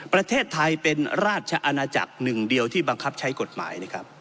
ประเทศไทยเป็นราชอาณาจักรหนึ่งเดียวที่บังคับใช้กฎหมายนะครับ